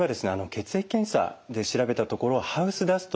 血液検査で調べたところハウスダストですね